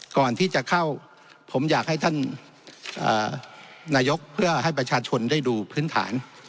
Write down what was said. ก่อนที่จะเข้าผมอยากให้ท่านนายกเพื่อให้ประชาชนได้ดูพื้นฐาน